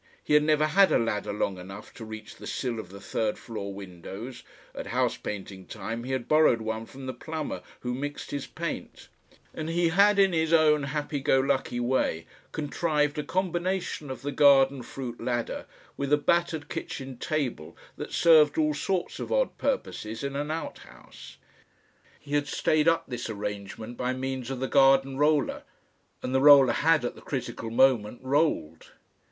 He had never had a ladder long enough to reach the sill of the third floor windows at house painting times he had borrowed one from the plumber who mixed his paint and he had in his own happy go lucky way contrived a combination of the garden fruit ladder with a battered kitchen table that served all sorts of odd purposes in an outhouse. He had stayed up this arrangement by means of the garden roller, and the roller had at the critical moment rolled.